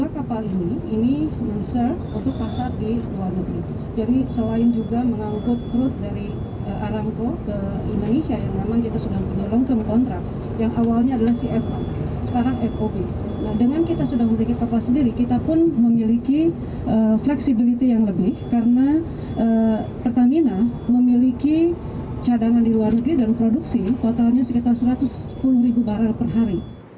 karena pertamina memiliki cadangan di luar negeri dan produksi totalnya sekitar satu ratus sepuluh ribu barang per hari